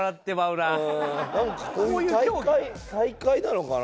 なんかこういう大会なのかな？